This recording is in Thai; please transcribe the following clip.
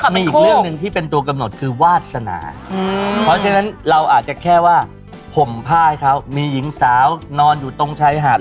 มีอีกเรื่องหนึ่งที่เป็นตัวกำหนดคือวาสนาเพราะฉะนั้นเราอาจจะแค่ว่าผมผ้าให้เขามีหญิงสาวนอนอยู่ตรงชายหาด